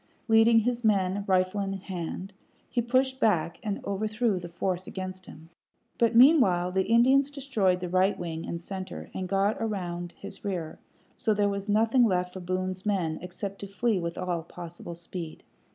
Leading his men, rifle in hand, he pushed back and overthrew the force against him; but meanwhile the Indians destroyed the right wing and center, and got round in his rear, so that there was nothing left for Boone's men except to flee with all possible speed.